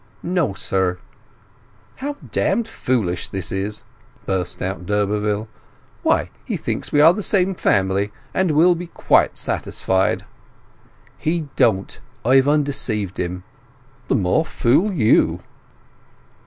"No, sir!" "How damned foolish this is!" burst out d'Urberville. "Why, he thinks we are the same family; and will be quite satisfied!" "He don't. I've undeceived him." "The more fool you!"